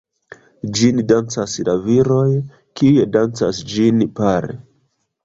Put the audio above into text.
Ĝin dancas la viroj, kiuj dancas ĝin pare.